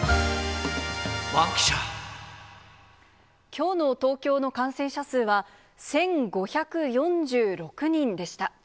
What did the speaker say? きょうの東京の感染者数は、１５４６人でした。